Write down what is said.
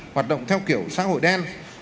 hoạt động theo kiểu xã hội đen